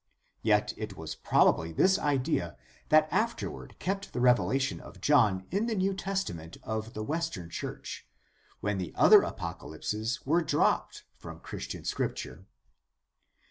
Yet it was probably this idea that afterward kept the Revelation of John in the New Testament of the Western church, when the other apocalypses were dropped from Christian Scripture.